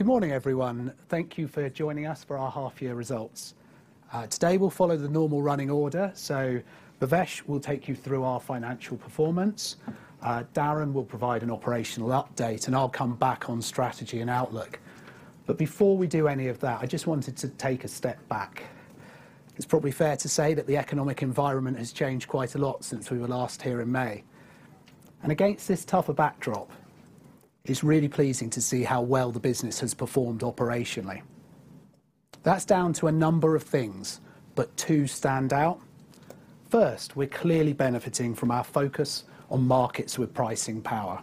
Good morning, everyone. Thank you for joining us for our half year results. Today we'll follow the normal running order, so Bhavesh will take you through our financial performance. Darren will provide an operational update, and I'll come back on strategy and outlook. Before we do any of that, I just wanted to take a step back. It's probably fair to say that the economic environment has changed quite a lot since we were last here in May. Against this tougher backdrop, it's really pleasing to see how well the business has performed operationally. That's down to a number of things, but two stand out. First, we're clearly benefiting from our focus on markets with pricing power.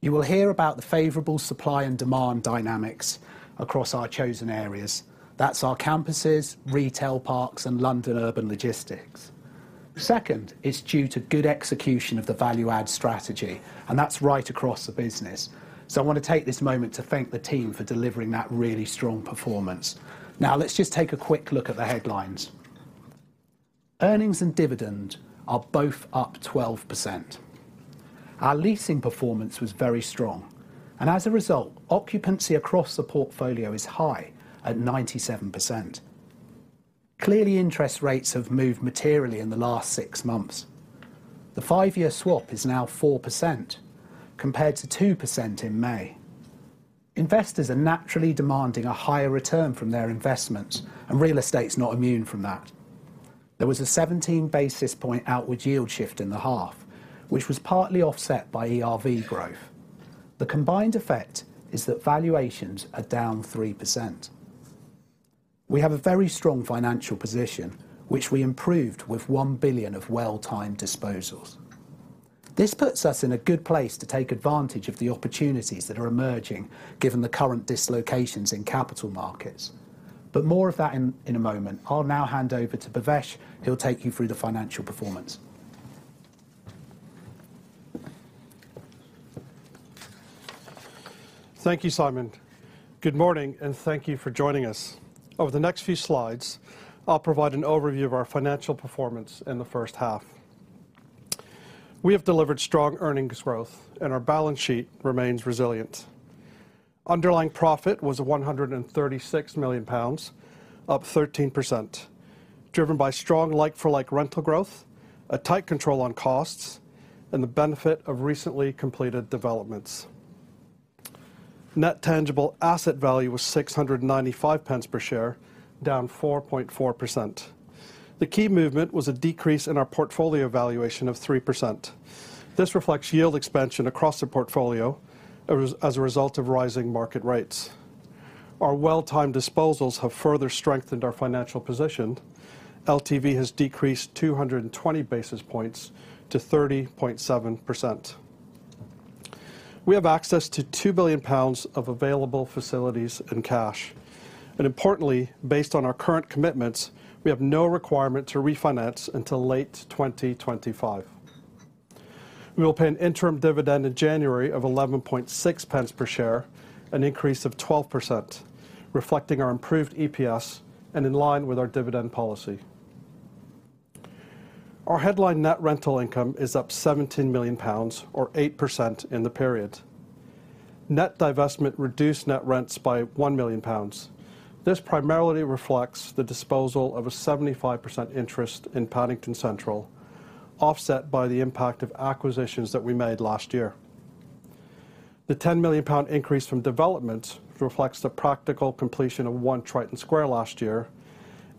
You will hear about the favorable supply and demand dynamics across our chosen areas. That's our Campuses, Retail Parks, and London Urban Logistics. Second, it's due to good execution of the value add strategy, and that's right across the business. I wanna take this moment to thank the team for delivering that really strong performance. Now let's just take a quick look at the headlines. Earnings and dividend are both up 12%. Our leasing performance was very strong, and as a result, occupancy across the portfolio is high at 97%. Clearly, interest rates have moved materially in the last six months. The five-year swap is now 4% compared to 2% in May. Investors are naturally demanding a higher return from their investments, and real estate's not immune from that. There was a 17 basis points outward yield shift in the half, which was partly offset by ERV growth. The combined effect is that valuations are down 3%. We have a very strong financial position, which we improved with 1 billion of well-timed disposals. This puts us in a good place to take advantage of the opportunities that are emerging given the current dislocations in capital markets. More of that in a moment. I'll now hand over to Bhavesh, who'll take you through the financial performance. Thank you, Simon. Good morning, and thank you for joining us. Over the next few slides, I'll provide an overview of our financial performance in the first half. We have delivered strong earnings growth, and our balance sheet remains resilient. Underlying profit was 136 million pounds, up 13%, driven by strong like-for-like rental growth, a tight control on costs, and the benefit of recently completed developments. Net tangible asset value was 695 pence per share, down 4.4%. The key movement was a decrease in our portfolio valuation of 3%. This reflects yield expansion across the portfolio as a result of rising market rates. Our well-timed disposals have further strengthened our financial position. LTV has decreased 220 basis points to 30.7%. We have access to 2 billion pounds of available facilities and cash. Importantly, based on our current commitments, we have no requirement to refinance until late 2025. We'll pay an interim dividend in January of £0.116 per share, an increase of 12%, reflecting our improved EPS and in line with our dividend policy. Our headline net rental income is up £17 million or 8% in the period. Net divestment reduced net rents by £1 million. This primarily reflects the disposal of a 75% interest in Paddington Central, offset by the impact of acquisitions that we made last year. The £10 million increase from developments reflects the practical completion of One Triton Square last year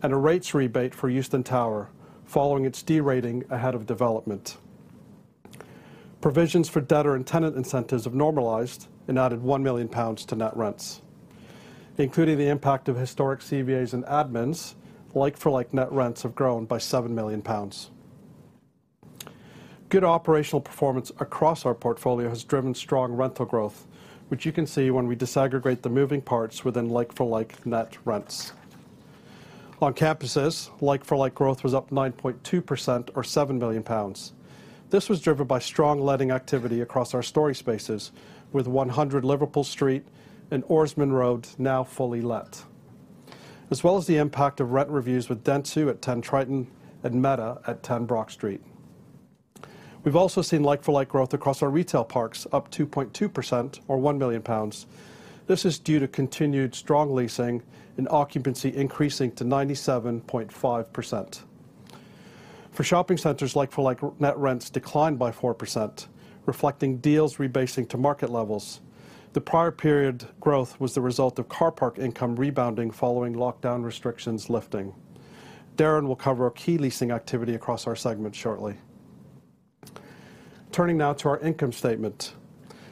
and a rates rebate for Euston Tower following its D rating ahead of development. Provisions for debtor and tenant incentives have normalized and added £1 million to net rents. Including the impact of historic CVAs and admins, like-for-like net rents have grown by 7 million pounds. Good operational performance across our portfolio has driven strong rental growth, which you can see when we disaggregate the moving parts within like-for-like net rents. On campuses, like-for-like growth was up 9.2% or 7 million pounds. This was driven by strong letting activity across our Storey spaces with 100 Liverpool Street and Ormond Yard now fully let. As well as the impact of rent reviews with Dentsu at 10 Triton Street and Meta at 10 Brock Street. We've also seen like-for-like growth across our retail parks, up 2.2% or 1 million pounds. This is due to continued strong leasing and occupancy increasing to 97.5%. For shopping centers, like-for-like net rents declined by 4%, reflecting deals rebasing to market levels. The prior period growth was the result of car park income rebounding following lockdown restrictions lifting. Darren will cover our key leasing activity across our segment shortly. Turning now to our income statement.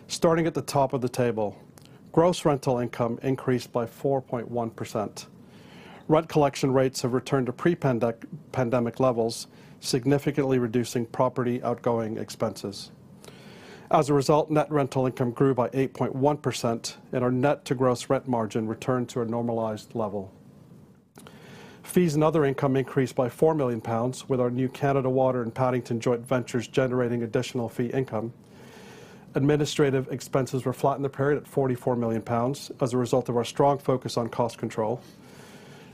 Starting at the top of the table, gross rental income increased by 4.1%. Rent collection rates have returned to pre-pandemic levels, significantly reducing property outgoing expenses. As a result, net rental income grew by 8.1%, and our net to gross rent margin returned to a normalized level. Fees and other income increased by 4 million pounds, with our new Canada Water and Paddington joint ventures generating additional fee income. Administrative expenses were flat in the period at 44 million pounds as a result of our strong focus on cost control.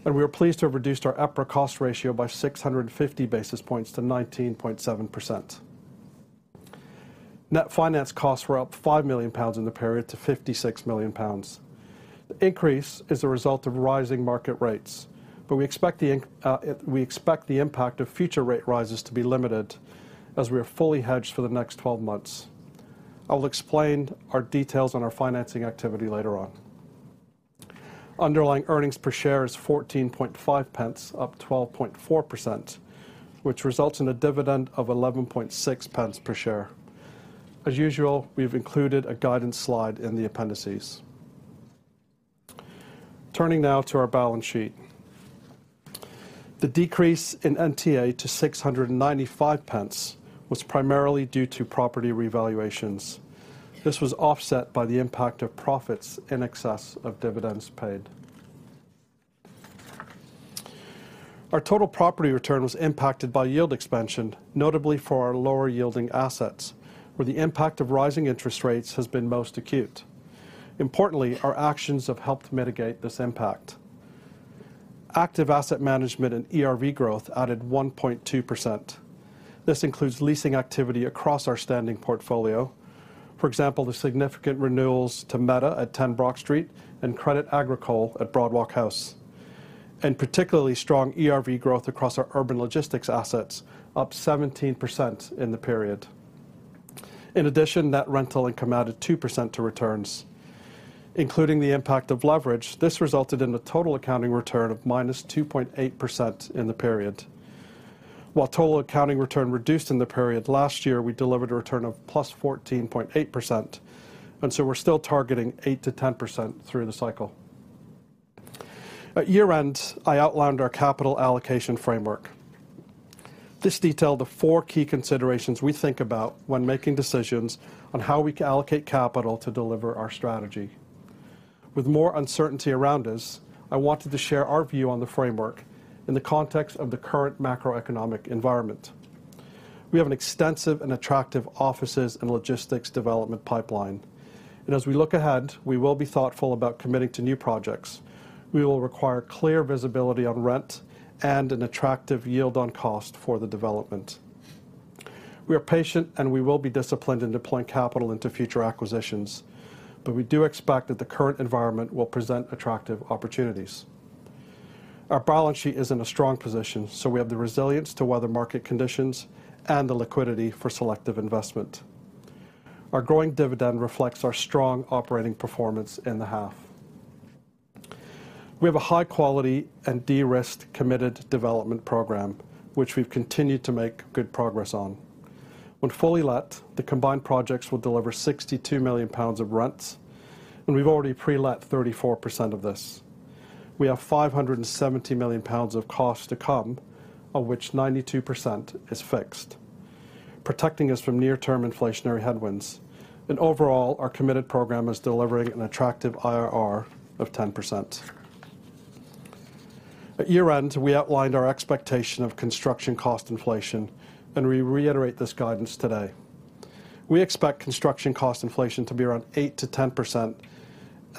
We are pleased to have reduced our EPRA cost ratio by 650 basis points to 19.7%. Net finance costs were up 5 million pounds in the period to 56 million pounds. The increase is a result of rising market rates, but we expect the impact of future rate rises to be limited as we are fully hedged for the next 12 months. I'll explain our details on our financing activity later on. Underlying earnings per share is 14.5 pence, up 12.4%, which results in a dividend of 11.6 pence per share. As usual, we've included a guidance slide in the appendices. Turning now to our balance sheet. The decrease in NTA to 695 pence was primarily due to property revaluations. This was offset by the impact of profits in excess of dividends paid. Our total property return was impacted by yield expansion, notably for our lower yielding assets, where the impact of rising interest rates has been most acute. Importantly, our actions have helped mitigate this impact. Active asset management and ERV growth added 1.2%. This includes leasing activity across our standing portfolio. For example, the significant renewals to Meta at 10 Brock Street and Crédit Agricole at Broadwalk House, and particularly strong ERV growth across our urban logistics assets, up 17% in the period. In addition, net rental income added 2% to returns. Including the impact of leverage, this resulted in a total accounting return of -2.8% in the period. While total accounting return reduced in the period, last year, we delivered a return of +14.8%, and so we're still targeting 8%-10% through the cycle. At year-end, I outlined our capital allocation framework. This detailed the four key considerations we think about when making decisions on how we can allocate capital to deliver our strategy. With more uncertainty around us, I wanted to share our view on the framework in the context of the current macroeconomic environment. We have an extensive and attractive offices and logistics development pipeline. As we look ahead, we will be thoughtful about committing to new projects. We will require clear visibility on rent and an attractive yield on cost for the development. We are patient, and we will be disciplined in deploying capital into future acquisitions, but we do expect that the current environment will present attractive opportunities. Our balance sheet is in a strong position, so we have the resilience to weather market conditions and the liquidity for selective investment. Our growing dividend reflects our strong operating performance in the half. We have a high quality and de-risked committed development program, which we've continued to make good progress on. When fully let, the combined projects will deliver 62 million pounds of rents, and we've already pre-let 34% of this. We have 570 million pounds of costs to come, of which 92% is fixed, protecting us from near-term inflationary headwinds. Overall, our committed program is delivering an attractive IRR of 10%. At year-end, we outlined our expectation of construction cost inflation, and we reiterate this guidance today. We expect construction cost inflation to be around 8%-10%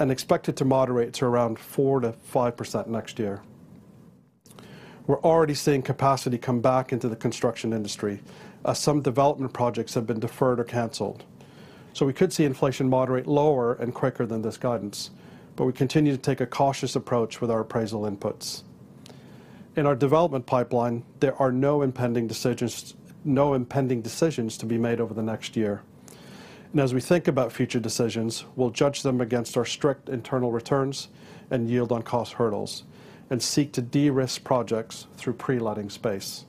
and expect it to moderate to around 4%-5% next year. We're already seeing capacity come back into the construction industry as some development projects have been deferred or canceled. We could see inflation moderate lower and quicker than this guidance, but we continue to take a cautious approach with our appraisal inputs. In our development pipeline, there are no impending decisions to be made over the next year. We think about future decisions, we'll judge them against our strict internal returns and yield on cost hurdles and seek to de-risk projects through pre-letting space.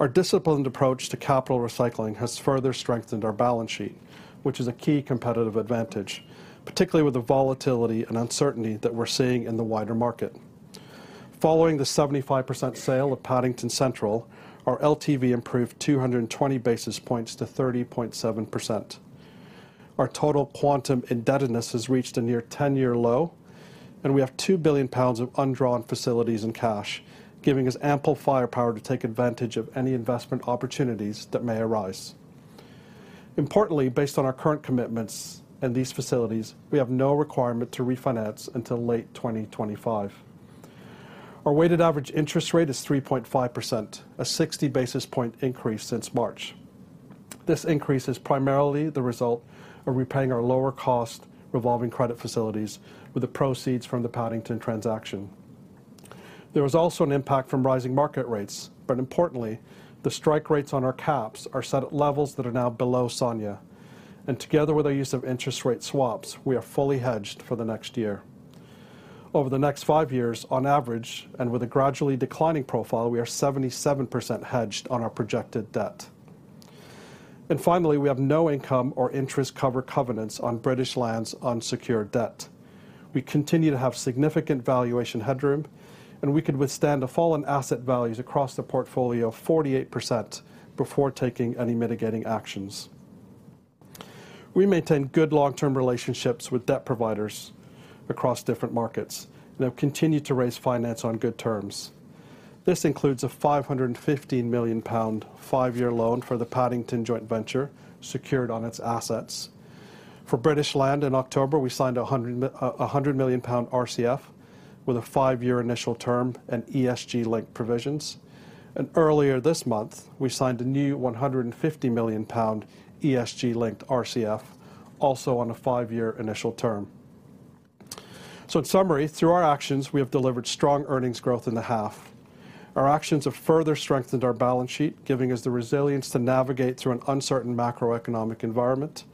Our disciplined approach to capital recycling has further strengthened our balance sheet, which is a key competitive advantage, particularly with the volatility and uncertainty that we're seeing in the wider market. Following the 75% sale of Paddington Central, our LTV improved 220 basis points to 30.7%. Our total quantum indebtedness has reached a near 10-year low, and we have 2 billion pounds of undrawn facilities and cash, giving us ample firepower to take advantage of any investment opportunities that may arise. Importantly, based on our current commitments and these facilities, we have no requirement to refinance until late 2025. Our weighted average interest rate is 3.5%, a 60 basis point increase since March. This increase is primarily the result of repaying our lower cost revolving credit facilities with the proceeds from the Paddington transaction. There was also an impact from rising market rates, but importantly, the strike rates on our caps are set at levels that are now below SONIA. Together with our use of interest rate swaps, we are fully hedged for the next year. Over the next five years, on average, and with a gradually declining profile, we are 77% hedged on our projected debt. Finally, we have no income or interest cover covenants on British Land's unsecured debt. We continue to have significant valuation headroom, and we could withstand a fall in asset values across the portfolio of 48% before taking any mitigating actions. We maintain good long-term relationships with debt providers across different markets and have continued to raise finance on good terms. This includes a 515 million pound five-year loan for the Paddington joint venture secured on its assets. For British Land in October, we signed a 100 million pound RCF with a five-year initial term and ESG-linked provisions. Earlier this month, we signed a new 150 million pound ESG-linked RCF, also on a five-year initial term. In summary, through our actions, we have delivered strong earnings growth in the half. Our actions have further strengthened our balance sheet, giving us the resilience to navigate through an uncertain macroeconomic environment.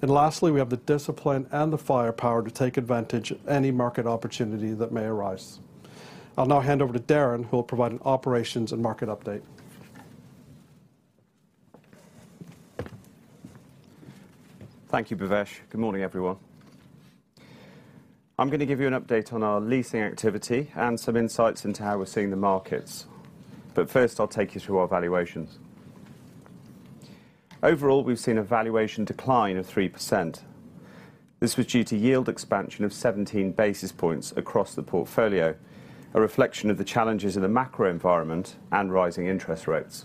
Lastly, we have the discipline and the firepower to take advantage of any market opportunity that may arise. I'll now hand over to Darren, who will provide an operations and market update. Thank you, Bhavesh. Good morning, everyone. I'm gonna give you an update on our leasing activity and some insights into how we're seeing the markets. First, I'll take you through our valuations. Overall, we've seen a valuation decline of 3%. This was due to yield expansion of 17 basis points across the portfolio, a reflection of the challenges in the macro environment and rising interest rates.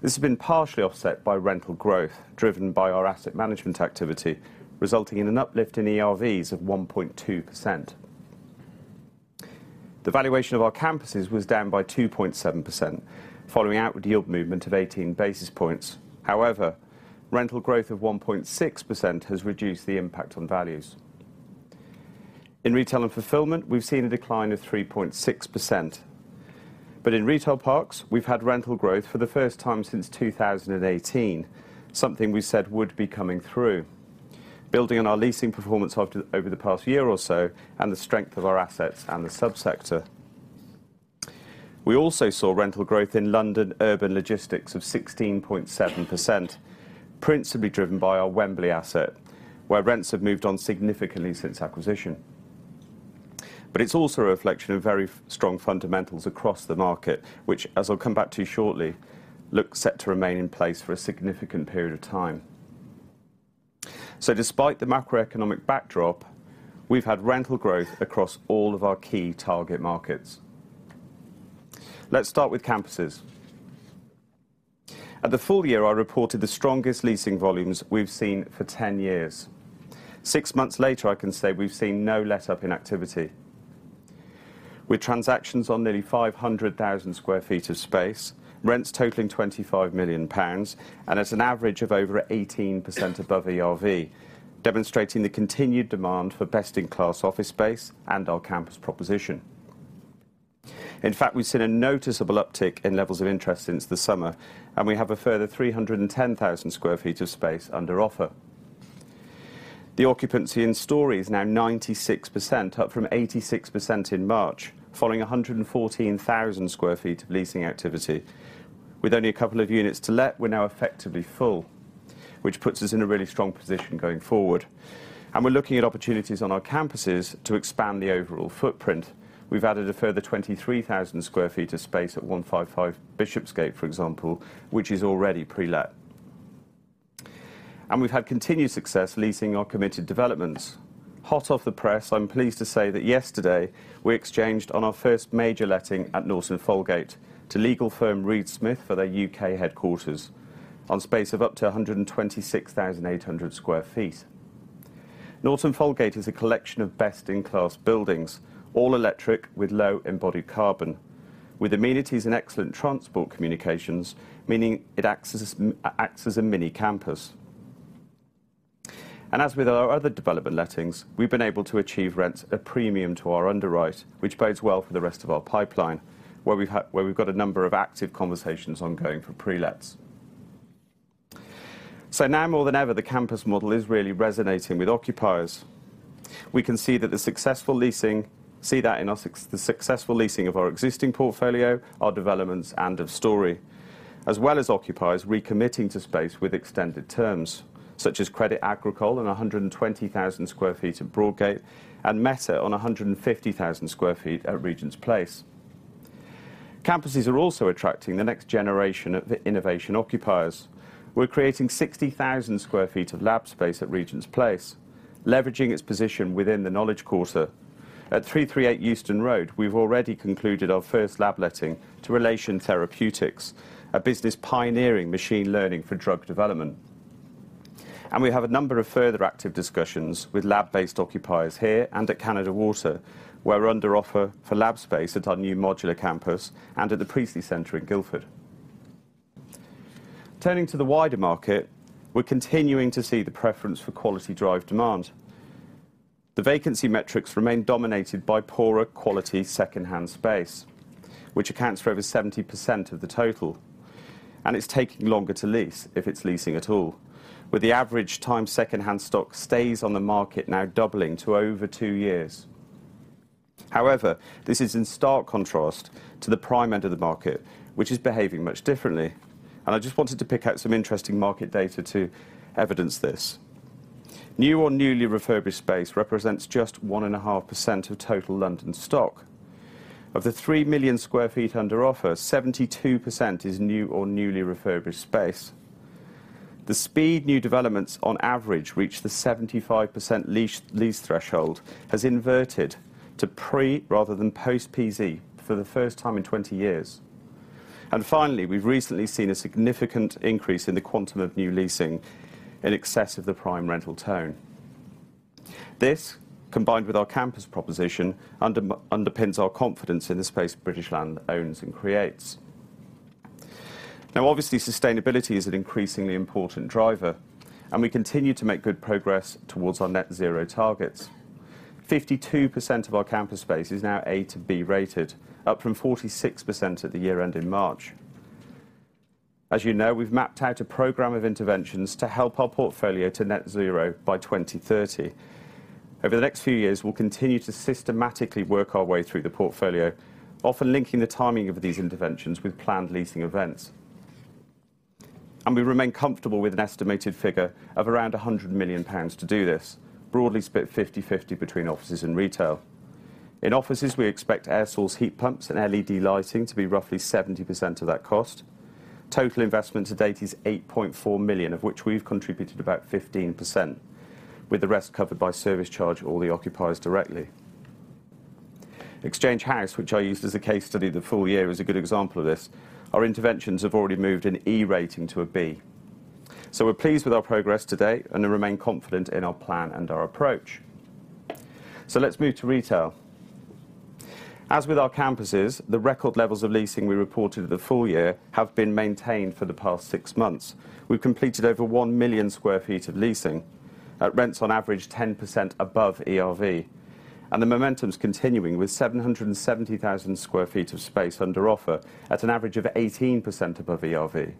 This has been partially offset by rental growth, driven by our asset management activity, resulting in an uplift in ERVs of 1.2%. The valuation of our campuses was down by 2.7%, following outward yield movement of 18 basis points. However, rental growth of 1.6% has reduced the impact on values. In retail and fulfillment, we've seen a decline of 3.6%. In Retail Parks, we've had rental growth for the first time since 2018, something we said would be coming through, building on our leasing performance over the past year or so and the strength of our assets and the subsector. We also saw rental growth in London Urban Logistics of 16.7%, principally driven by our Wembley asset, where rents have moved on significantly since acquisition. It's also a reflection of very strong fundamentals across the market, which, as I'll come back to shortly, look set to remain in place for a significant period of time. Despite the macroeconomic backdrop, we've had rental growth across all of our key target markets. Let's start with Campuses. At the full year, I reported the strongest leasing volumes we've seen for 10 years. Six months later, I can say we've seen no letup in activity. With transactions on nearly 500,000 sq ft of space, rents totaling 25 million pounds, and as an average of over 18% above ERV, demonstrating the continued demand for best-in-class office space and our campus proposition. In fact, we've seen a noticeable uptick in levels of interest since the summer, and we have a further 310,000 sq ft of space under offer. The occupancy in Storey is now 96%, up from 86% in March, following 114,000 sq ft of leasing activity. With only a couple of units to let, we're now effectively full, which puts us in a really strong position going forward. We're looking at opportunities on our campuses to expand the overall footprint. We've added a further 23,000 sq ft of space at 155 Bishopsgate, for example, which is already pre-let. We've had continued success leasing our committed developments. Hot off the press, I'm pleased to say that yesterday, we exchanged on our first major letting at Norton Folgate to legal firm Reed Smith for their UK headquarters on space of up to 126,800 sq ft. Norton Folgate is a collection of best-in-class buildings, all electric with low embodied carbon, with amenities and excellent transport communications, meaning it acts as a mini campus. As with our other development lettings, we've been able to achieve rents at a premium to our underwrite, which bodes well for the rest of our pipeline, where we've got a number of active conversations ongoing for pre-lets. Now more than ever, the campus model is really resonating with occupiers. We can see that in the successful leasing of our existing portfolio, our developments, and of Storey, as well as occupiers recommitting to space with extended terms, such as Crédit Agricole and 120,000 sq ft at Broadgate and Meta on 150,000 sq ft at Regent's Place. Campuses are also attracting the next generation of the innovation occupiers. We're creating 60,000 sq ft of lab space at Regent's Place, leveraging its position within the knowledge quarter. At 338 Euston Road, we've already concluded our first lab letting to Relation Therapeutics, a business pioneering machine learning for drug development. We have a number of further active discussions with lab-based occupiers here and at Canada Water. We're under offer for lab space at our new modular campus and at the Priestley Building in Guildford. Turning to the wider market, we're continuing to see the preference for quality drive demand. The vacancy metrics remain dominated by poorer quality secondhand space, which accounts for over 70% of the total. It's taking longer to lease, if it's leasing at all, with the average time secondhand stock stays on the market now doubling to over two years. However, this is in stark contrast to the prime end of the market, which is behaving much differently. I just wanted to pick out some interesting market data to evidence this. New or newly refurbished space represents just 1.5% of total London stock. Of the 3 million sq ft under offer, 72% is new or newly refurbished space. The speed new developments on average reach the 75% lease threshold has inverted to pre- rather than post-pandemic for the first time in 20 years. Finally, we've recently seen a significant increase in the quantum of new leasing in excess of the prime rental tone. This, combined with our campus proposition, underpins our confidence in the space British Land owns and creates. Now obviously, sustainability is an increasingly important driver, and we continue to make good progress towards our net zero targets. 52% of our campus space is now A to B rated, up from 46% at the year-end in March. As you know, we've mapped out a program of interventions to help our portfolio to net zero by 2030. Over the next few years, we'll continue to systematically work our way through the portfolio, often linking the timing of these interventions with planned leasing events. We remain comfortable with an estimated figure of around 100 million pounds to do this, broadly split 50/50 between offices and retail. In offices, we expect air source heat pumps and LED lighting to be roughly 70% of that cost. Total investment to date is 8.4 million, of which we've contributed about 15%, with the rest covered by service charge or the occupiers directly. Exchange House, which I used as a case study the full year, is a good example of this. Our interventions have already moved an E rating to a B. We're pleased with our progress to date and remain confident in our plan and our approach. Let's move to retail. As with our campuses, the record levels of leasing we reported the full year have been maintained for the past 6 months. We've completed over 1 million sq ft of leasing at rents on average 10% above ERV, and the momentum's continuing with 770,000 sq ft of space under offer at an average of 18% above ERV.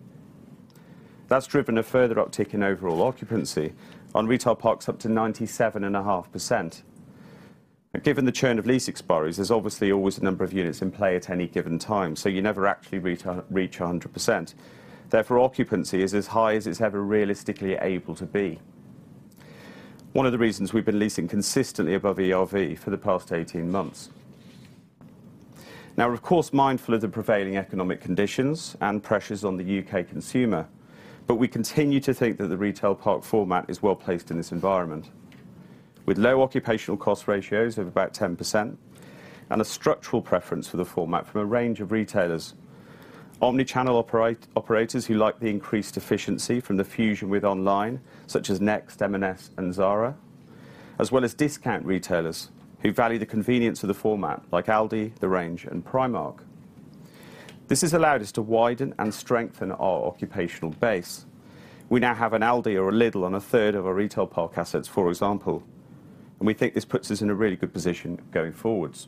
That's driven a further uptick in overall occupancy on retail parks up to 97.5%. Given the churn of lease expiries, there's obviously always a number of units in play at any given time, so you never actually reach 100%. Therefore, occupancy is as high as it's ever realistically able to be, one of the reasons we've been leasing consistently above ERV for the past 18 months. Now we're of course mindful of the prevailing economic conditions and pressures on the UK consumer, but we continue to think that the retail park format is well-placed in this environment, with low occupancy cost ratios of about 10% and a structural preference for the format from a range of retailers. Omnichannel operators who like the increased efficiency from the fusion with online, such as Next, M&S, and Zara, as well as discount retailers who value the convenience of the format, like Aldi, The Range, and Primark. This has allowed us to widen and strengthen our occupational base. We now have an Aldi or a Lidl on a third of our retail park assets, for example, and we think this puts us in a really good position going forward.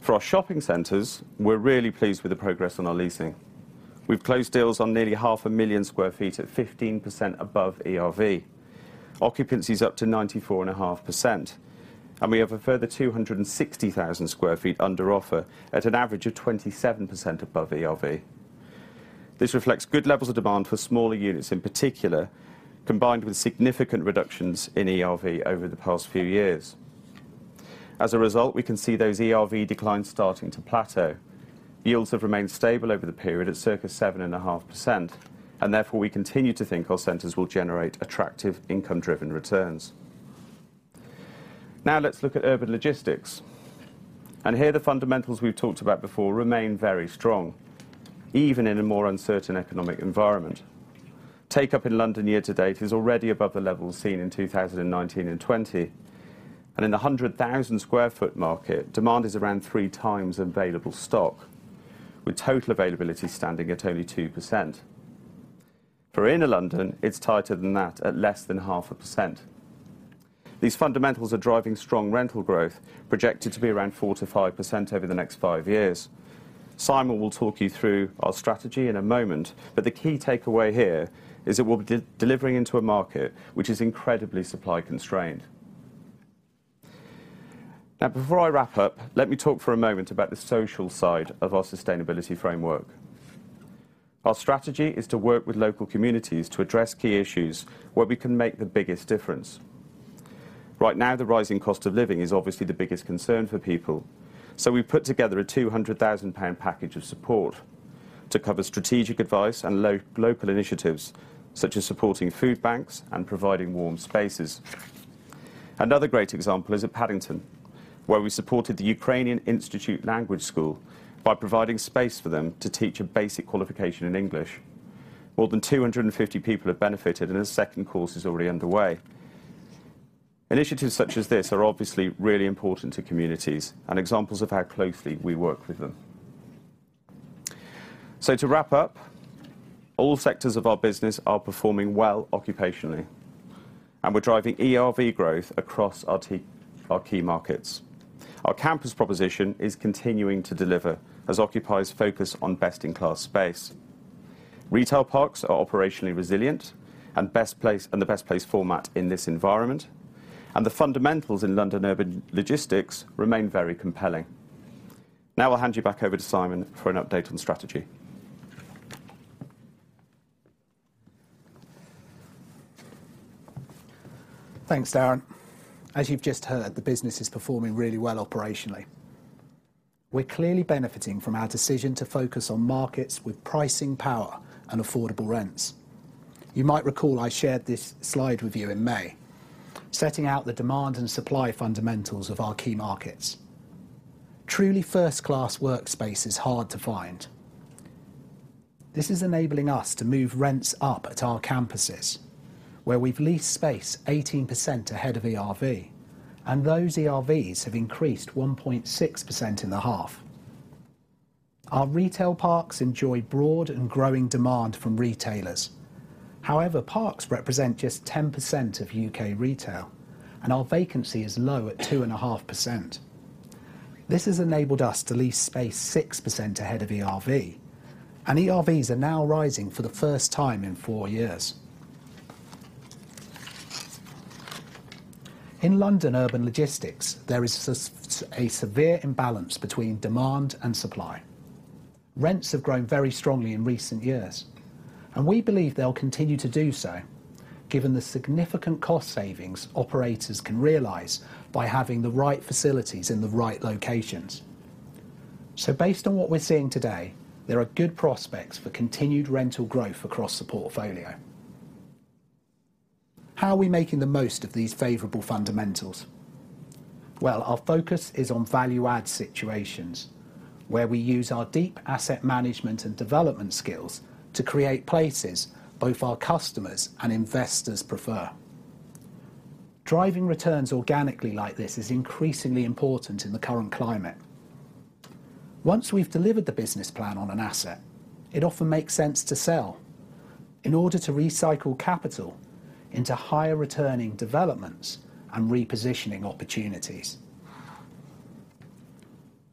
For our shopping centers, we're really pleased with the progress on our leasing. We've closed deals on nearly 500,000 sq ft at 15 above ERV. Occupancy is up to 94.5%, and we have a further 260,000 sq ft under offer at an average of 27% above ERV. This reflects good levels of demand for smaller units in particular, combined with significant reductions in ERV over the past few years. As a result, we can see those ERV declines starting to plateau. Yields have remained stable over the period at circa 7.5%, and therefore, we continue to think our centers will generate attractive income-driven returns. Now let's look at urban logistics. Here, the fundamentals we've talked about before remain very strong, even in a more uncertain economic environment. Take-up in London year to date is already above the levels seen in 2019 and 2020, and in the 100,000 sq ft market, demand is around 3 times available stock, with total availability standing at only 2%. For inner London, it's tighter than that, at less than 0.5%. These fundamentals are driving strong rental growth, projected to be around 4%-5% over the next 5 years. Simon will talk you through our strategy in a moment, but the key takeaway here is that we'll be developing into a market which is incredibly supply-constrained. Now, before I wrap up, let me talk for a moment about the social side of our sustainability framework. Our strategy is to work with local communities to address key issues where we can make the biggest difference. Right now, the rising cost of living is obviously the biggest concern for people, so we put together a 200,000 pound package of support to cover strategic advice and local initiatives, such as supporting food banks and providing warm spaces. Another great example is at Paddington, where we supported the Ukrainian Institute London by providing space for them to teach a basic qualification in English. More than 250 people have benefited, and a second course is already underway. Initiatives such as this are obviously really important to communities and examples of how closely we work with them. To wrap up, all sectors of our business are performing well occupationally, and we're driving ERV growth across our key markets. Our campus proposition is continuing to deliver as occupiers focus on best-in-class space. Retail Parks are operationally resilient and the best placed format in this environment. The fundamentals in London Urban Logistics remain very compelling. Now I'll hand you back over to Simon for an update on strategy. Thanks, Darren. As you've just heard, the business is performing really well operationally. We're clearly benefiting from our decision to focus on markets with pricing power and affordable rents. You might recall I shared this slide with you in May. Setting out the demand and supply fundamentals of our key markets. Truly first-class workspace is hard to find. This is enabling us to move rents up at our Campuses, where we've leased space 18% ahead of ERV, and those ERVs have increased 1.6% in the half. Our Retail Parks enjoy broad and growing demand from retailers. However, parks represent just 10% of UK retail, and our vacancy is low at 2.5%. This has enabled us to lease space 6% ahead of ERV, and ERVs are now rising for the first time in four years. In London Urban Logistics, there is a severe imbalance between demand and supply. Rents have grown very strongly in recent years, and we believe they'll continue to do so given the significant cost savings operators can realize by having the right facilities in the right locations. Based on what we're seeing today, there are good prospects for continued rental growth across the portfolio. How are we making the most of these favorable fundamentals? Well, our focus is on value add situations, where we use our deep asset management and development skills to create places both our customers and investors prefer. Driving returns organically like this is increasingly important in the current climate. Once we've delivered the business plan on an asset, it often makes sense to sell in order to recycle capital into higher returning developments and repositioning opportunities.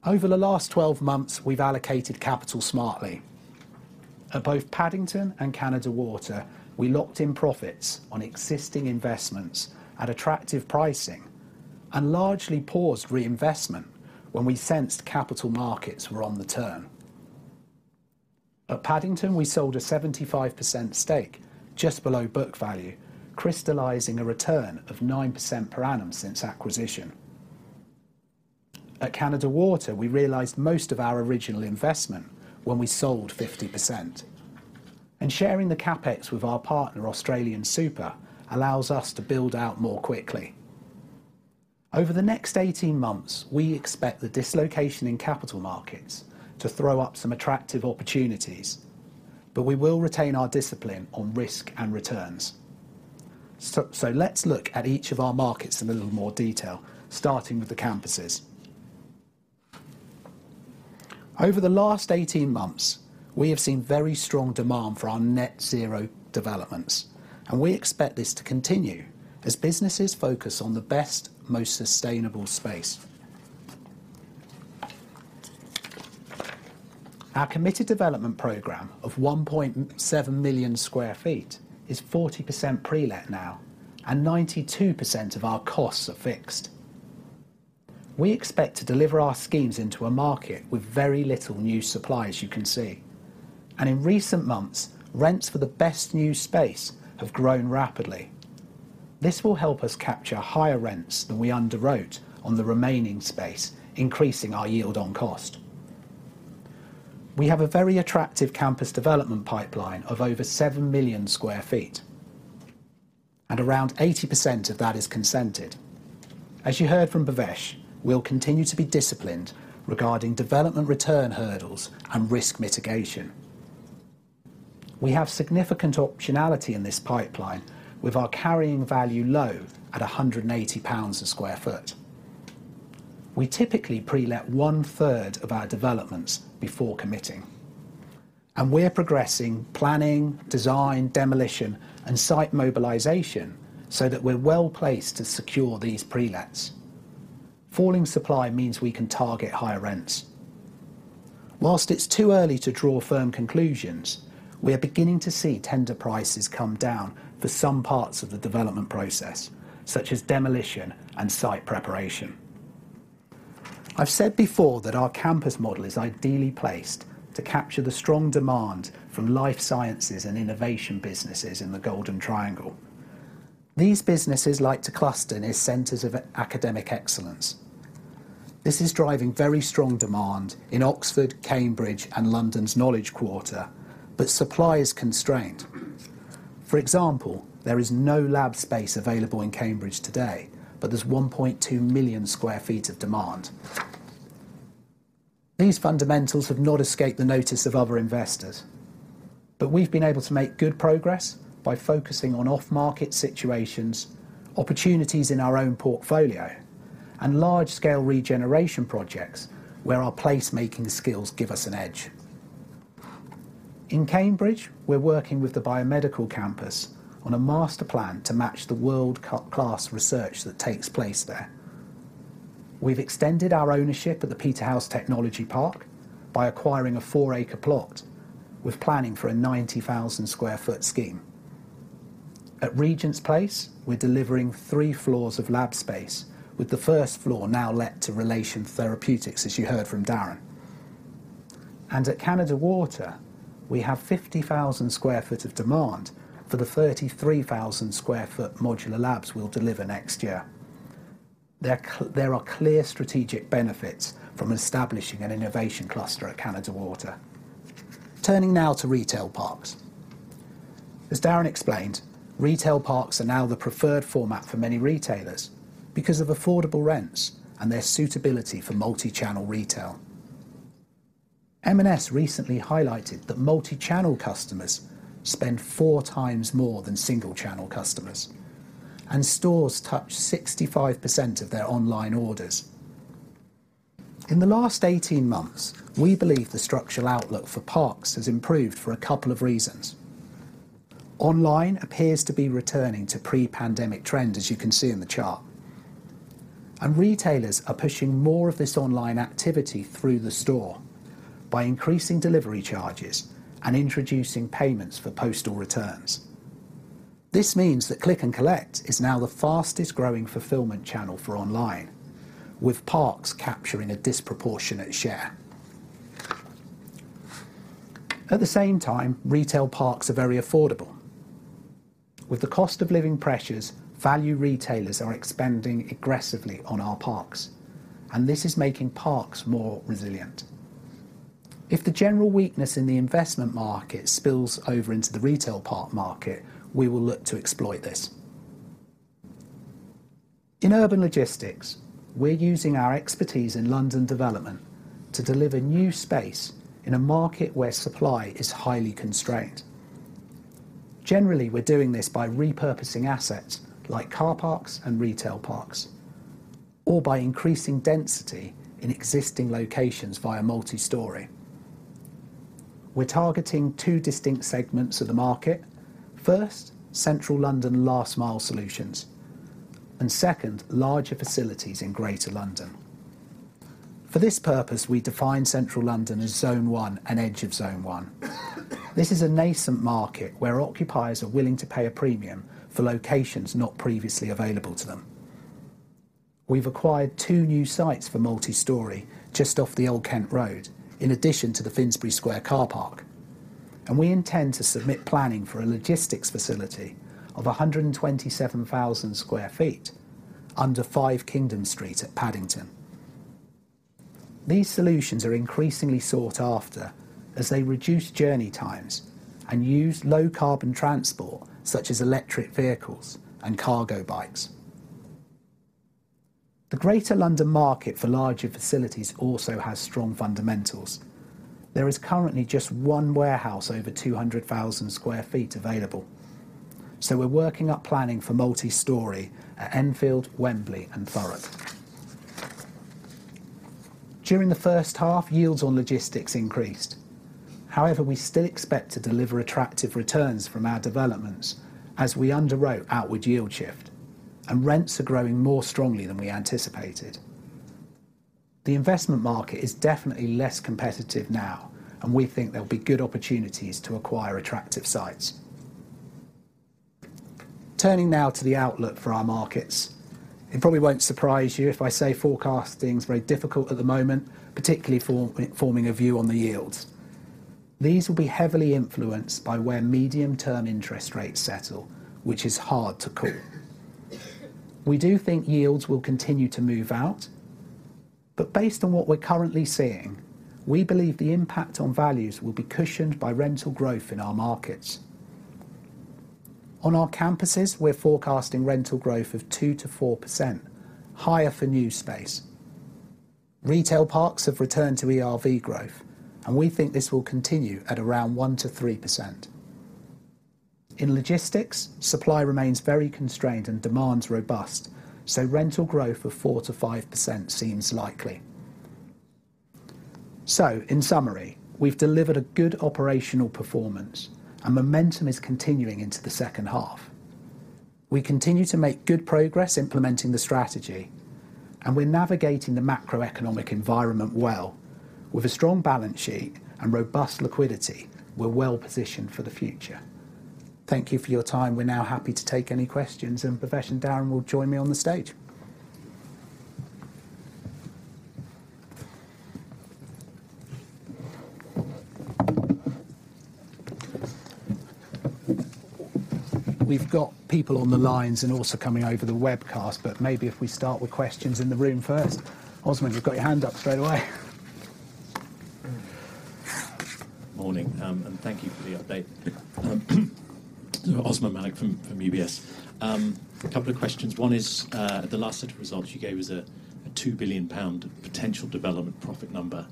Over the last 12 months, we've allocated capital smartly. At both Paddington and Canada Water, we locked in profits on existing investments at attractive pricing and largely paused reinvestment when we sensed capital markets were on the turn. At Paddington, we sold a 75% stake just below book value, crystallizing a return of 9% per annum since acquisition. At Canada Water, we realized most of our original investment when we sold 50%. Sharing the CapEx with our partner, AustralianSuper, allows us to build out more quickly. Over the next 18 months, we expect the dislocation in capital markets to throw up some attractive opportunities, but we will retain our discipline on risk and returns. Let's look at each of our markets in a little more detail, starting with the Campuses. Over the last 18 months, we have seen very strong demand for our net zero developments, and we expect this to continue as businesses focus on the best, most sustainable space. Our committed development program of 1.7 million sq ft is 40% pre-let now and 92% of our costs are fixed. We expect to deliver our schemes into a market with very little new supply, as you can see. In recent months, rents for the best new space have grown rapidly. This will help us capture higher rents than we underwrote on the remaining space, increasing our yield on cost. We have a very attractive campus development pipeline of over 7 million sq ft, and around 80% of that is consented. As you heard from Bhavesh, we'll continue to be disciplined regarding development return hurdles and risk mitigation. We have significant optionality in this pipeline with our carrying value low at 180 pounds/sq ft. We typically pre-let one-third of our developments before committing. We're progressing planning, design, demolition, and site mobilization so that we're well-placed to secure these pre-lets. Falling supply means we can target higher rents. While it's too early to draw firm conclusions, we are beginning to see tender prices come down for some parts of the development process, such as demolition and site preparation. I've said before that our campus model is ideally placed to capture the strong demand from life sciences and innovation businesses in the Golden Triangle. These businesses like to cluster near centers of academic excellence. This is driving very strong demand in Oxford, Cambridge, and London's Knowledge Quarter, but supply is constrained. For example, there is no lab space available in Cambridge today, but there's 1.2 million sq ft of demand. These fundamentals have not escaped the notice of other investors, but we've been able to make good progress by focusing on off-market situations, opportunities in our own portfolio, and large-scale regeneration projects where our placemaking skills give us an edge. In Cambridge, we're working with the Cambridge Biomedical Campus on a master plan to match the world-class research that takes place there. We've extended our ownership at the Peterhouse Technology Park by acquiring a 4-acre plot with planning for a 90,000-sq-ft scheme. At Regent's Place, we're delivering 3 floors of lab space, with the first floor now let to Relation Therapeutics, as you heard from Darren. At Canada Water, we have 50,000 sq ft of demand for the 33,000 sq ft modular labs we'll deliver next year. There are clear strategic benefits from establishing an innovation cluster at Canada Water. Turning now to retail parks. As Darren explained, retail parks are now the preferred format for many retailers because of affordable rents and their suitability for multi-channel retail. M&S recently highlighted that multi-channel customers spend 4 times more than single channel customers, and stores touch 65% of their online orders. In the last 18 months, we believe the structural outlook for parks has improved for a couple of reasons. Online appears to be returning to pre-pandemic trends, as you can see in the chart. Retailers are pushing more of this online activity through the store by increasing delivery charges and introducing payments for postal returns. This means that click and collect is now the fastest growing fulfillment channel for online, with parks capturing a disproportionate share. At the same time, retail parks are very affordable. With the cost of living pressures, value retailers are expanding aggressively on our parks, and this is making parks more resilient. If the general weakness in the investment market spills over into the retail park market, we will look to exploit this. In urban logistics, we're using our expertise in London development to deliver new space in a market where supply is highly constrained. Generally, we're doing this by repurposing assets like car parks and retail parks, or by increasing density in existing locations via multi-story. We're targeting two distinct segments of the market. First, Central London last mile solutions. Second, larger facilities in Greater London. For this purpose, we define Central London as Zone 1 and edge of Zone 1. This is a nascent market where occupiers are willing to pay a premium for locations not previously available to them. We've acquired two new sites for multi-story just off the Old Kent Road, in addition to the Finsbury Square car park. We intend to submit planning for a logistics facility of 127,000 sq ft under 5 Kingdom Street at Paddington. These solutions are increasingly sought after as they reduce journey times and use low carbon transport, such as electric vehicles and cargo bikes. The Greater London market for larger facilities also has strong fundamentals. There is currently just one warehouse over 200,000 sq ft available. We're working up planning for multi-story at Enfield, Wembley and Thurrock. During the first half, yields on logistics increased. However, we still expect to deliver attractive returns from our developments as we underwrote outward yield shift, and rents are growing more strongly than we anticipated. The investment market is definitely less competitive now, and we think there'll be good opportunities to acquire attractive sites. Turning now to the outlook for our markets. It probably won't surprise you if I say forecasting is very difficult at the moment, particularly for forming a view on the yields. These will be heavily influenced by where medium-term interest rates settle, which is hard to call. We do think yields will continue to move out, but based on what we're currently seeing, we believe the impact on values will be cushioned by rental growth in our markets. On our campuses, we're forecasting rental growth of 2%-4%, higher for new space. Retail parks have returned to ERV growth, and we think this will continue at around 1%-3%. In logistics, supply remains very constrained and demand's robust, so rental growth of 4%-5% seems likely. In summary, we've delivered a good operational performance, and momentum is continuing into the second half. We continue to make good progress implementing the strategy, and we're navigating the macroeconomic environment well. With a strong balance sheet and robust liquidity, we're well positioned for the future. Thank you for your time. We're now happy to take any questions, and Bhavesh and Darren will join me on the stage. We've got people on the lines and also coming over the webcast, but maybe if we start with questions in the room first. Osmaan, you've got your hand up straight away. Morning, thank you for the update. Osmaan Malik from UBS. A couple of questions. One is, at the last set of results you gave was a 2 billion pound potential development profit number.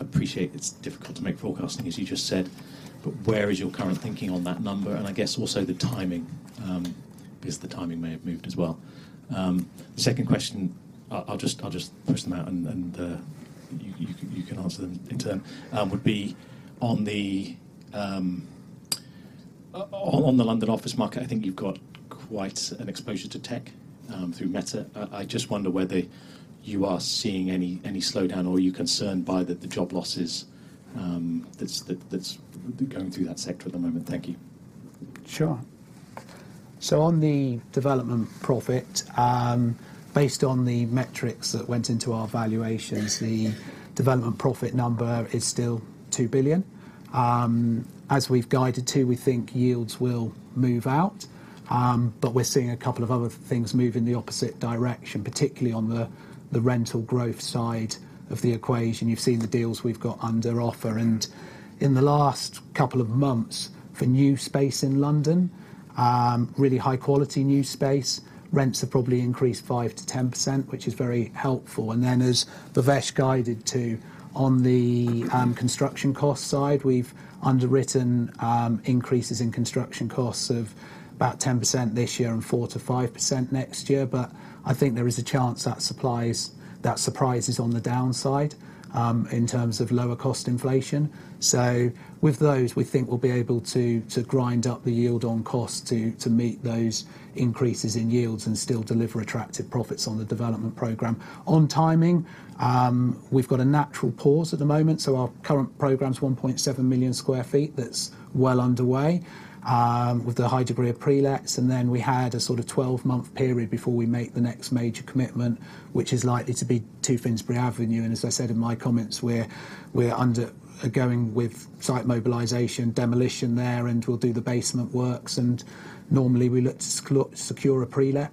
Appreciate it's difficult to make forecasting, as you just said, but where is your current thinking on that number? I guess also the timing, because the timing may have moved as well. The second question, I'll just push them out and, you can answer them in turn. Would be on the, on the London office market, I think you've got quite an exposure to tech, through Meta. I just wonder whether you are seeing any slowdown or are you concerned by the job losses that's going through that sector at the moment. Thank you. Sure. On the development profit, based on the metrics that went into our valuations, the development profit number is still 2 billion. As we've guided too, we think yields will move out, but we're seeing a couple of other things move in the opposite direction, particularly on the rental growth side of the equation. You've seen the deals we've got under offer. In the last couple of months, for new space in London, really high quality new space, rents have probably increased 5%-10%, which is very helpful. As Bhavesh guided too, on the construction cost side, we've underwritten increases in construction costs of about 10% this year and 4%-5% next year. I think there is a chance that surprises on the downside, in terms of lower cost inflation. With those, we think we'll be able to grind up the yield on cost to meet those increases in yields and still deliver attractive profits on the development program. On timing, we've got a natural pause at the moment. Our current program is 1.7 million sq ft that's well underway with a high degree of prelets. Then we had a sort of 12-month period before we make the next major commitment, which is likely to be 2 Finsbury Avenue. As I said in my comments, we're undergoing site mobilization, demolition there, and we'll do the basement works. Normally, we look to secure a prelet.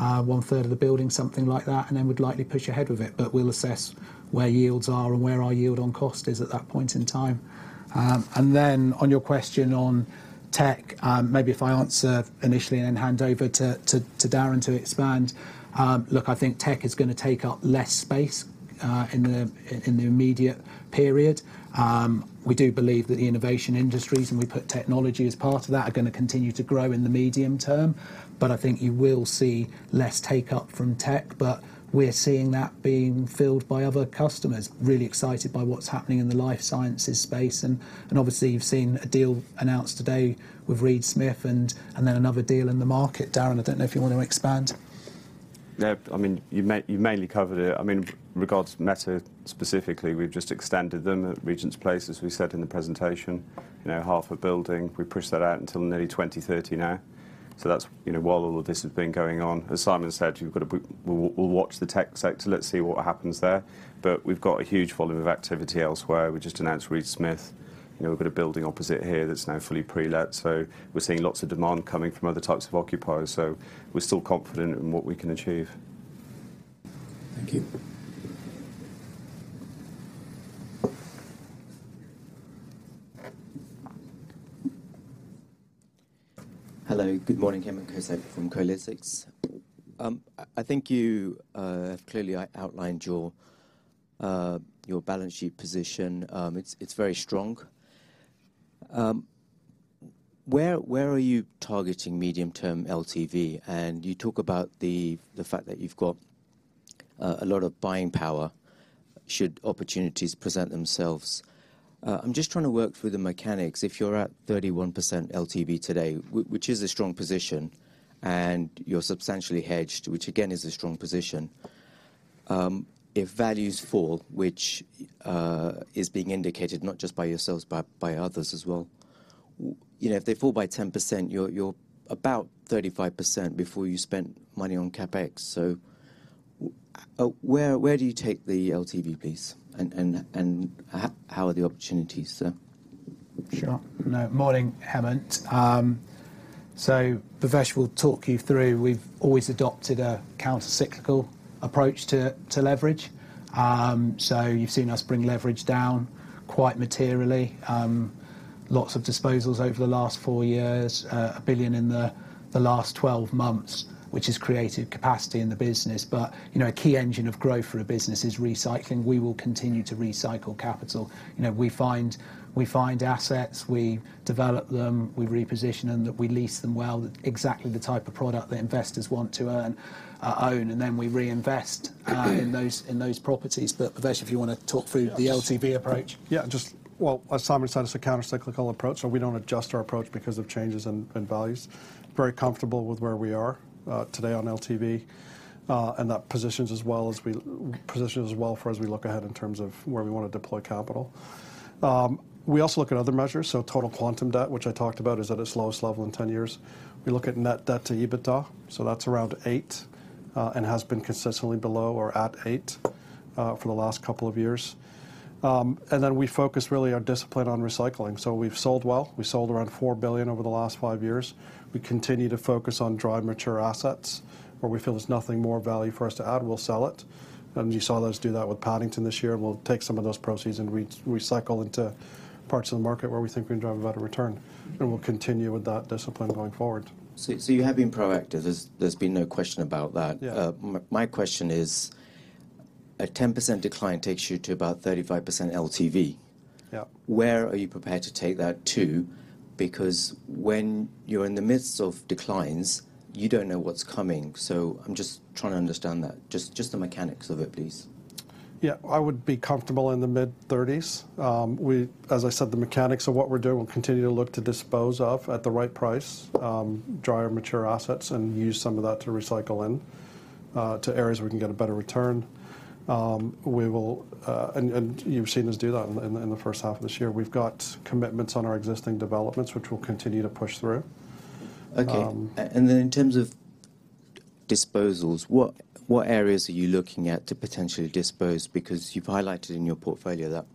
One-third of the building, something like that, and then we'd likely push ahead with it. We'll assess where yields are and where our yield on cost is at that point in time. On your question on tech, maybe if I answer initially and then hand over to Darren to expand. Look, I think tech is gonna take up less space in the immediate period. We do believe that the innovation industries, and we put technology as part of that, are gonna continue to grow in the medium term. I think you will see less take up from tech, but we're seeing that being filled by other customers. Really excited by what's happening in the life sciences space and obviously you've seen a deal announced today with Reed Smith and then another deal in the market. Darren, I don't know if you want to expand. Yeah. I mean, you mainly covered it. I mean, regards Meta specifically, we've just extended them at Regent's Place, as we said in the presentation. You know, half a building, we pushed that out until nearly 2030 now. That's, you know, while all of this has been going on. As Simon said, you've got we'll watch the tech sector, let's see what happens there. We've got a huge volume of activity elsewhere. We just announced Reed Smith. You know, we've got a building opposite here that's now fully prelet. We're seeing lots of demand coming from other types of occupiers. We're still confident in what we can achieve. Thank you. Hello, good morning. Hemant Kotak from Kolytics. I think you have clearly outlined your balance sheet position. It's very strong. Where are you targeting medium-term LTV? You talk about the fact that you've got a lot of buying power should opportunities present themselves. I'm just trying to work through the mechanics. If you're at 31% LTV today, which is a strong position, and you're substantially hedged, which again is a strong position, if values fall, which is being indicated not just by yourselves, but by others as well, you know, if they fall by 10%, you're about 35% before you spent money on CapEx. Where do you take the LTV, please? How are the opportunities, sir? Sure. No. Morning, Hemant. Bhavesh will talk you through. We've always adopted a countercyclical approach to leverage. You've seen us bring leverage down quite materially. Lots of disposals over the last 4 years, 1 billion in the last 12 months, which has created capacity in the business. You know, a key engine of growth for a business is recycling. We will continue to recycle capital. You know, we find assets, we develop them, we reposition them, we lease them well, exactly the type of product that investors want to own, and then we reinvest in those properties. Bhavesh, if you wanna talk through the LTV approach. Yeah, just, well, as Simon said, it's a countercyclical approach, so we don't adjust our approach because of changes in values. Very comfortable with where we are today on LTV, and that positions us well for as we look ahead in terms of where we wanna deploy capital. We also look at other measures. Total quantum debt, which I talked about, is at its lowest level in 10 years. We look at net debt to EBITDA, so that's around 8 and has been consistently below or at 8 for the last couple of years. We focus really our discipline on recycling. We've sold well. We sold around 4 billion over the last 5 years. We continue to focus on prime and mature assets where we feel there's nothing more value for us to add. We'll sell it. You saw us do that with Paddington this year, and we'll take some of those proceeds and re-recycle into parts of the market where we think we can drive a better return. We'll continue with that discipline going forward. you have been proactive. There's been no question about that. Yeah. My question is, a 10% decline takes you to about 35% LTV. Yeah. Where are you prepared to take that to? Because when you're in the midst of declines, you don't know what's coming. I'm just trying to understand that. Just the mechanics of it, please. Yeah. I would be comfortable in the mid-30s. As I said, the mechanics of what we're doing, we'll continue to look to dispose of, at the right price, dry or mature assets and use some of that to recycle in. To areas where we can get a better return. You've seen us do that in the first half of this year. We've got commitments on our existing developments, which we'll continue to push through. Okay. In terms of disposals, what areas are you looking at to potentially dispose? Because you've highlighted in your portfolio that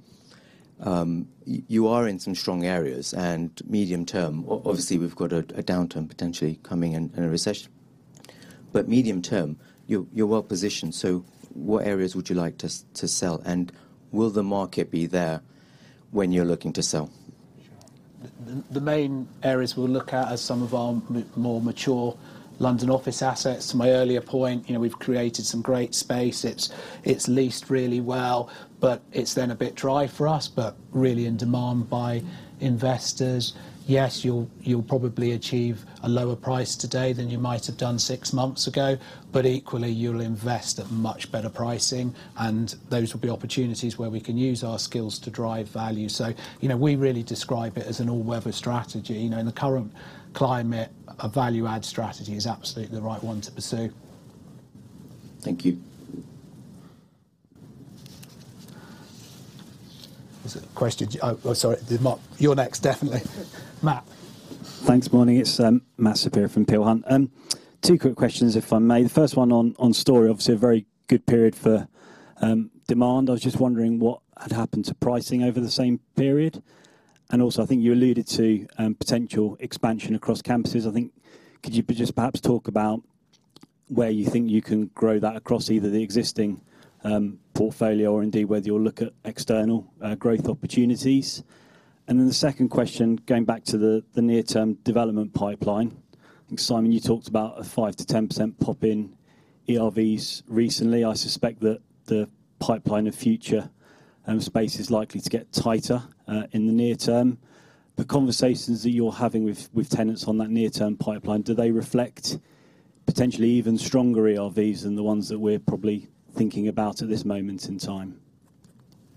you are in some strong areas, and medium term, obviously we've got a downturn potentially coming and a recession. Medium term, you're well positioned. What areas would you like to sell, and will the market be there when you're looking to sell? The main areas we'll look at are some of our more mature London office assets. To my earlier point, you know, we've created some great space. It's leased really well, but it's then a bit dry for us, but really in demand by investors. Yes, you'll probably achieve a lower price today than you might have done six months ago. Equally, you'll invest at much better pricing, and those will be opportunities where we can use our skills to drive value. You know, we really describe it as an all-weather strategy. You know, in the current climate, a value add strategy is absolutely the right one to pursue. Thank you. There's a question. Oh, sorry. Mark, you're next, definitely. Matt. Thanks. Morning. It's Matthew Saperia from Peel Hunt. Two quick questions, if I may. The first one on Storey. Obviously, a very good period for demand. I was just wondering what had happened to pricing over the same period. Also, I think you alluded to potential expansion across campuses. I think could you perhaps talk about where you think you can grow that across either the existing portfolio or indeed whether you'll look at external growth opportunities? Then the second question, going back to the near-term development pipeline. Simon, you talked about a 5%-10% pop in ERVs recently. I suspect that the pipeline of future space is likely to get tighter in the near term. The conversations that you're having with tenants on that near-term pipeline, do they reflect potentially even stronger ERVs than the ones that we're probably thinking about at this moment in time?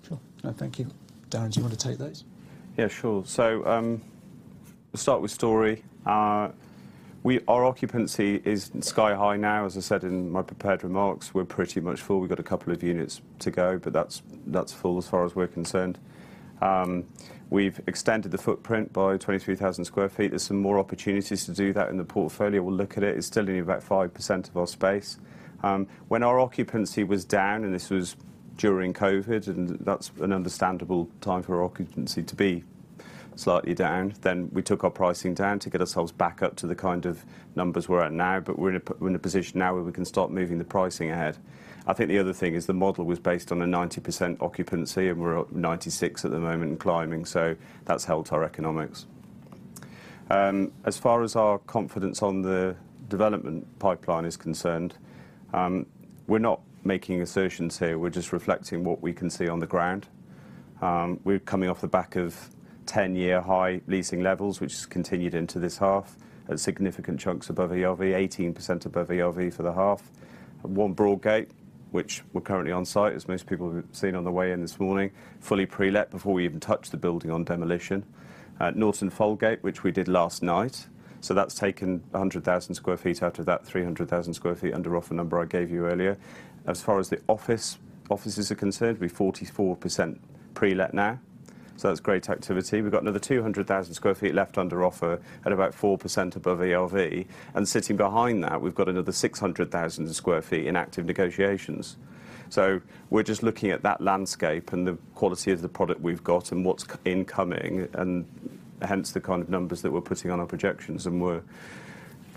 Sure. No, thank you. Darren, do you want to take those? Yeah, sure. We'll start with Storey. Our occupancy is sky high now. As I said in my prepared remarks, we're pretty much full. We've got a couple of units to go, but that's full as far as we're concerned. We've extended the footprint by 23,000 sq ft. There's some more opportunities to do that in the portfolio. We'll look at it. It's still only about 5% of our space. When our occupancy was down, and this was during COVID, and that's an understandable time for our occupancy to be slightly down, then we took our pricing down to get ourselves back up to the kind of numbers we're at now. We're in a position now where we can start moving the pricing ahead. I think the other thing is the model was based on a 90% occupancy, and we're at 96% at the moment and climbing, so that's helped our economics. As far as our confidence on the development pipeline is concerned, we're not making assertions here. We're just reflecting what we can see on the ground. We're coming off the back of ten-year high leasing levels, which has continued into this half at significant chunks above ERV, 18% above ERV for the half. At One Broadgate, which we're currently on site, as most people have seen on the way in this morning, fully pre-let before we even touched the building on demolition. At Norton Folgate, which we did last night, so that's taken a 100,000 sq ft out of that 300,000 sq ft under offer number I gave you earlier. As far as the offices are concerned, we're 44% pre-let now, so that's great activity. We've got another 200,000 sq ft left under offer at about 4% above ERV. Sitting behind that, we've got another 600,000 sq ft in active negotiations. We're just looking at that landscape and the quality of the product we've got and what's incoming, and hence the kind of numbers that we're putting on our projections. We're,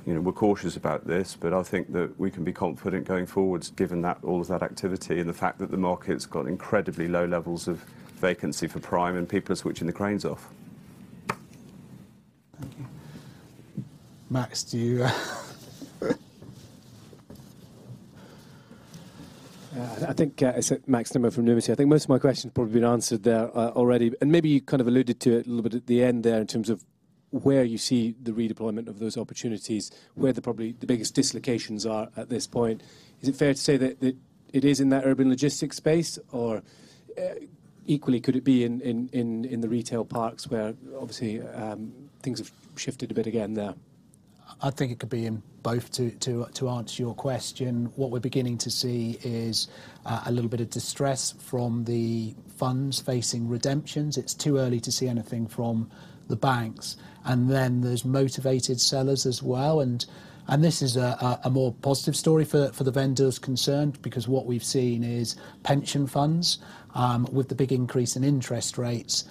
you know, cautious about this, but I think that we can be confident going forwards given all of that activity and the fact that the market's got incredibly low levels of vacancy for prime, and people are switching the cranes off. Thank you. Max, do you I think it's Max Nimmo from Numis here. I think most of my questions have probably been answered already. Maybe you kind of alluded to it a little bit at the end there in terms of where you see the redeployment of those opportunities, where probably the biggest dislocations are at this point. Is it fair to say that it is in that urban logistics space? Or equally, could it be in the retail parks where obviously things have shifted a bit again there? I think it could be in both to answer your question. What we're beginning to see is a little bit of distress from the funds facing redemptions. It's too early to see anything from the banks. There's motivated sellers as well. This is a more positive story for the vendors concerned, because what we've seen is pension funds with the big increase in interest rates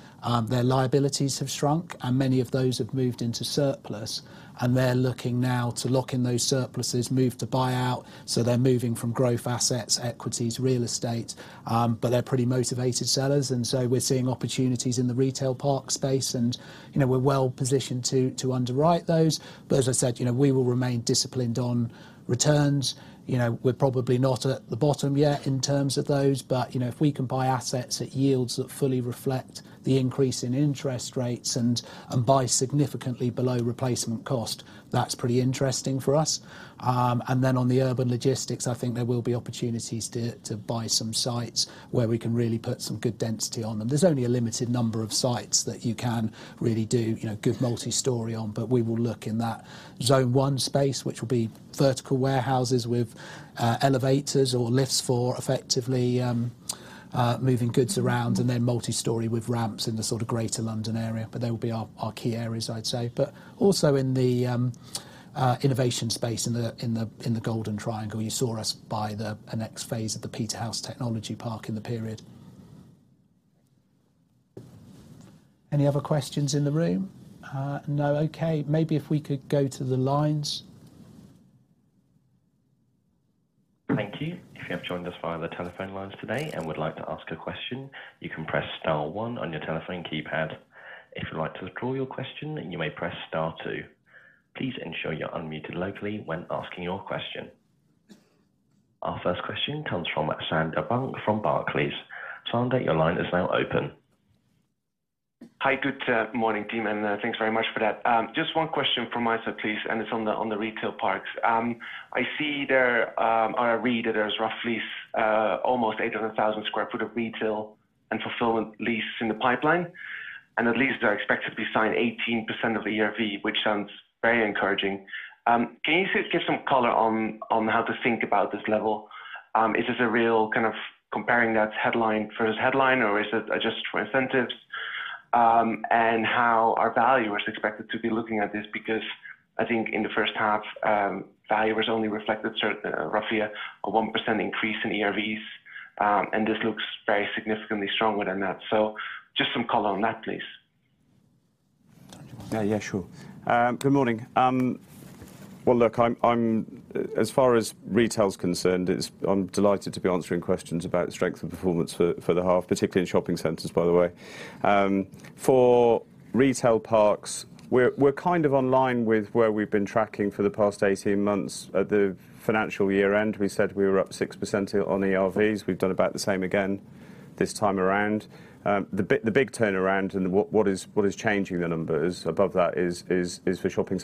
their liabilities have shrunk, and many of those have moved into surplus, and they're looking now to lock in those surpluses, move to buyout. They're moving from growth assets, equities, real estate but they're pretty motivated sellers. We're seeing opportunities in the Retail Parks space, and you know we're well positioned to underwrite those. As I said, you know, we will remain disciplined on returns. You know, we're probably not at the bottom yet in terms of those, but you know, if we can buy assets at yields that fully reflect the increase in interest rates and buy significantly below replacement cost, that's pretty interesting for us. Then on the urban logistics, I think there will be opportunities to buy some sites where we can really put some good density on them. There's only a limited number of sites that you can really do, you know, good multi-story on, but we will look in that zone one space, which will be vertical warehouses with elevators or lifts for effectively moving goods around and then multistory with ramps in the sort of Greater London area. They will be our key areas, I'd say. Also in the innovation space in the Golden Triangle. You saw us buy the next phase of the Peterhouse Technology Park in the period. Any other questions in the room? No? Okay. Maybe if we could go to the lines. Thank you. If you have joined us via the telephone lines today and would like to ask a question, you can press star one on your telephone keypad. If you'd like to withdraw your question, then you may press star two. Please ensure you're unmuted locally when asking your question. Our first question comes from Sander Bunck from Barclays. Sander, your line is now open. Hi. Good morning, team, and thanks very much for that. Just one question from my side, please, and it's on the retail parks. I see there, or I read that there's roughly almost 800,000 sq ft of retail and fulfillment lease in the pipeline, and they're expected to be signed at 18% of the ERV, which sounds very encouraging. Can you just give some color on how to think about this level? Is this a real kind of comparing that to headline versus headline, or is it adjusted for incentives, and how the value is expected to be reflected in this? Because I think in the first half, value was only reflected roughly a 1% increase in ERVs, and this looks very significantly stronger than that. Just some color on that, please. Yeah, sure. Good morning. Well, look, as far as retail is concerned, it's. I'm delighted to be answering questions about strength of performance for the half, particularly in shopping centers, by the way. For Retail Parks, we're kind of on line with where we've been tracking for the past 18 months. At the financial year end, we said we were up 6% on ERVs. We've done about the same again this time around. The big turnaround and what is changing the numbers above that is for shopping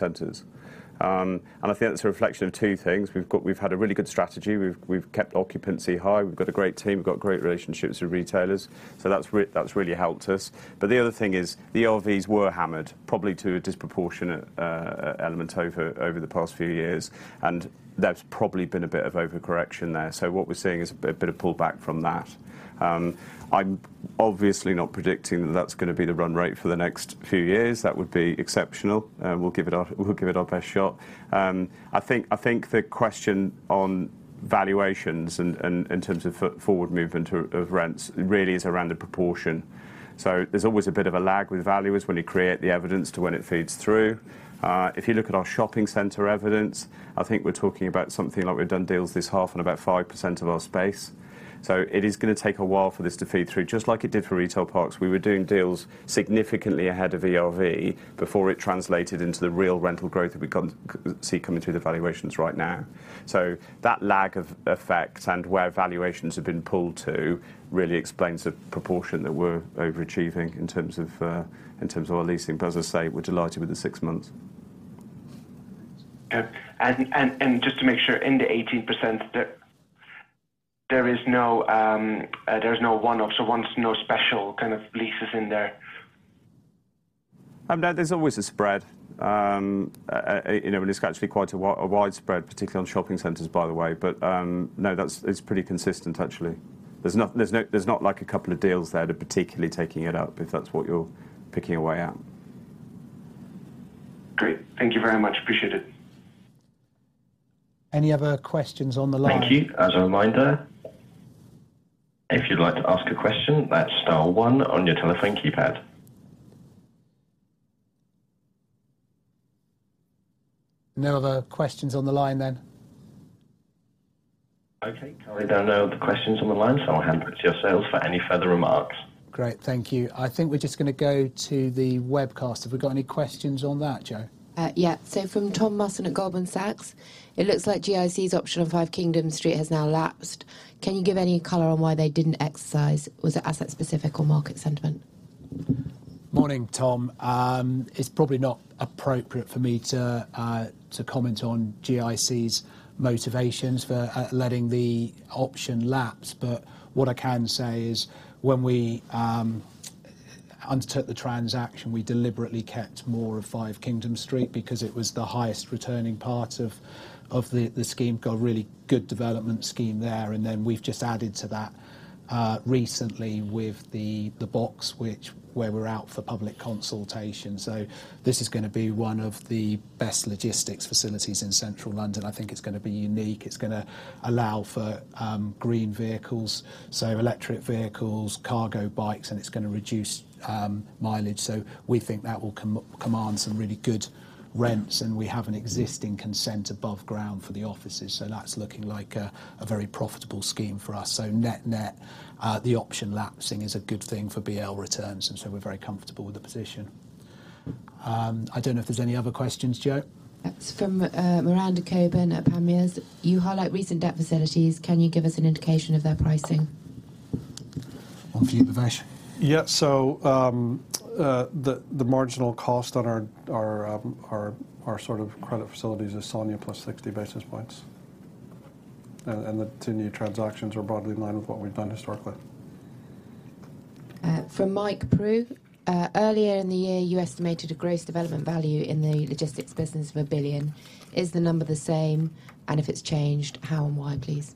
centers. I think that's a reflection of two things. We've had a really good strategy. We've kept occupancy high. We've got a great team. We've got great relationships with retailers. That's really helped us. The other thing is, the ERVs were hammered probably to a disproportionate element over the past few years, and there's probably been a bit of overcorrection there. So what we're seeing is a bit of pullback from that. I'm obviously not predicting that that's gonna be the run rate for the next few years. That would be exceptional. We'll give it our best shot. I think the question on valuations in terms of forward movement of rents really is around the proportion. So there's always a bit of a lag with values when you create the evidence to when it feeds through. If you look at our shopping center evidence, I think we're talking about something like we've done deals this half on about 5% of our space. It is gonna take a while for this to feed through, just like it did for Retail Parks. We were doing deals significantly ahead of ERV before it translated into the real rental growth that we see coming through the valuations right now. That lag of effect and where valuations have been pulled to really explains the proportion that we're overachieving in terms of, in terms of our leasing. As I say, we're delighted with the six months. Okay. Just to make sure, in the 18%, there is no one-off, no special kind of leases in there? No, there's always a spread. You know, and it's actually quite a widespread, particularly on shopping centers, by the way. No, that's it. It's pretty consistent, actually. There's not like a couple of deals there that are particularly taking it up, if that's what you're picking away at. Great. Thank you very much. Appreciate it. Any other questions on the line? Thank you. As a reminder, if you'd like to ask a question, that's star one on your telephone keypad. No other questions on the line, then? Okay. Currently, there are no other questions on the line, so I'll hand back to yourselves for any further remarks. Great. Thank you. I think we're just gonna go to the webcast. Have we got any questions on that, Jo? From Tom Musson at Goldman Sachs, it looks like GIC's option on 5 Kingdom Street has now lapsed. Can you give any color on why they didn't exercise? Was it asset specific or market sentiment? Morning, Tom. It's probably not appropriate for me to comment on GIC's motivations for letting the option lapse. What I can say is, when we undertook the transaction, we deliberately kept more of 5 Kingdom Street because it was the highest returning part of the scheme. Got a really good development scheme there. We've just added to that recently with the box where we're out for public consultation. This is gonna be one of the best logistics facilities in central London. I think it's gonna be unique. It's gonna allow for green vehicles, so electric vehicles, cargo bikes, and it's gonna reduce mileage. We think that will command some really good rents, and we have an existing consent above ground for the offices. That's looking like a very profitable scheme for us. Net-net, the option lapsing is a good thing for BL returns, and so we're very comfortable with the position. I don't know if there's any other questions, Jo. It's from Miranda Cockburn at Panmure Gordon. You highlight recent debt facilities. Can you give us an indication of their pricing? One for you, Bhavesh. The marginal cost on our sort of credit facilities is SONIA plus 60 basis points. The two new transactions are broadly in line with what we've done historically. From Mike Prew. Earlier in the year, you estimated a gross development value in the logistics business of 1 billion. Is the number the same? If it's changed, how and why, please?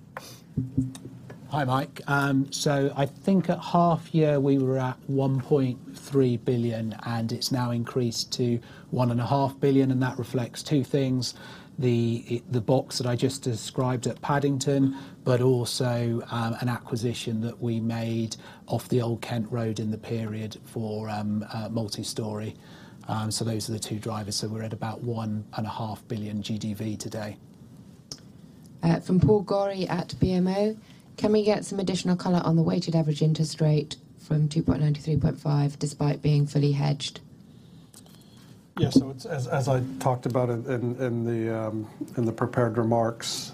Hi, Mike. I think at half year we were at 1.3 billion, and it's now increased to 1.5 billion, and that reflects two things, the box that I just described at Paddington, but also an acquisition that we made off the Old Kent Road in the period for multi-story. Those are the two drivers. We're at about 1.5 billion GDV today. From Paul Gorrie at BMO. Can we get some additional color on the weighted average interest rate from 2.9%-3.5% despite being fully hedged? It's as I talked about in the prepared remarks.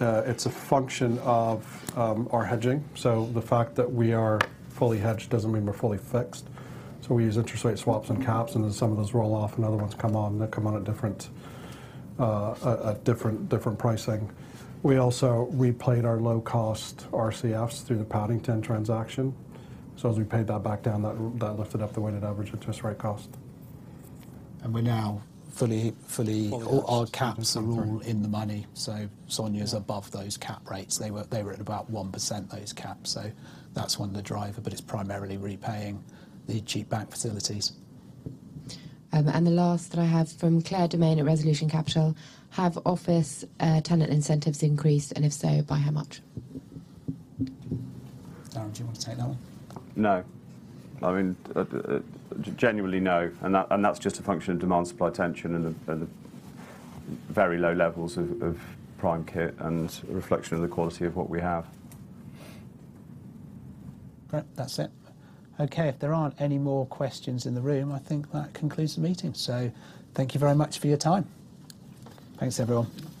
It's a function of our hedging. The fact that we are fully hedged doesn't mean we're fully fixed. We use interest rate swaps and caps, and then some of those roll off and other ones come on, and they come on at different pricing. We also repaid our low cost RCFs through the Paddington transaction. As we paid that back down, that lifted up the weighted average interest rate cost. We're now fully. Fully hedged All our caps are all in the money. SONIA's above those cap rates. They were at about 1%, those caps. That's one of the driver, but it's primarily repaying the cheap bank facilities. The last that I have from Claire Demaine at Resolution Capital. Have office tenant incentives increased? If so, by how much? Darren, do you want to take that one? No. I mean, genuinely, no. That's just a function of demand, supply, tension and the very low levels of prime kit and reflection of the quality of what we have. Right. That's it. Okay. If there aren't any more questions in the room, I think that concludes the meeting. Thank you very much for your time. Thanks, everyone.